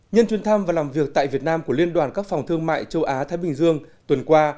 nhân chuyến thăm và làm việc tại việt nam của liên đoàn các phòng thương mại châu á thái bình dương tuần qua